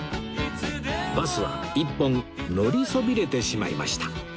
バスは１本乗りそびれてしまいました